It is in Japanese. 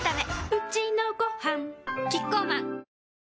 うちのごはんキッコーマン